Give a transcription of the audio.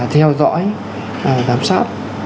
theo dõi giám sát